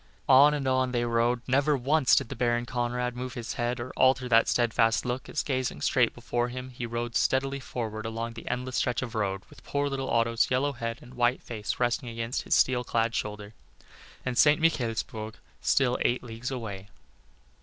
On and on they rode; never once did the Baron Conrad move his head or alter that steadfast look as, gazing straight before him, he rode steadily forward along the endless stretch of road, with poor little Otto's yellow head and white face resting against his steel clad shoulder and St. Michaelsburg still eight leagues away.